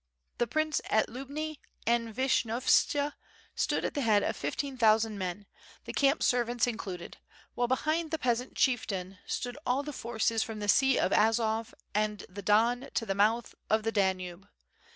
The Prince at Lubni and Vishnyovtsa stood at the head of fifteen thousand men, the camp servants in cluded; while behind the peasant chieftain stood all the forces from the sea of Azov and the Don to the mouth of the Danube.